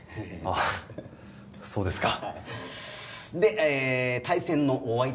あっそうですか。